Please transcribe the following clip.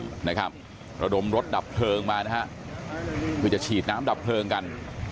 เราดมรถดับเพลิงมาคือจะฉีดน้ำดับเพลิงกัน